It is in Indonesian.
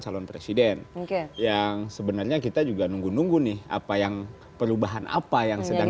calon presiden oke yang sebenarnya kita juga nunggu nunggu nih apa yang perubahan apa yang sedang